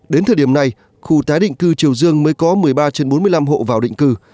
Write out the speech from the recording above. đến thời điểm này khu tái định cư triều dương mới có một mươi ba trên bốn mươi năm hộ vào định cư